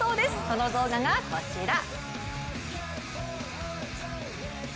その動画が、こちら。